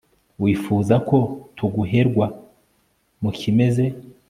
wifuzako tuguherwa, mu kimeze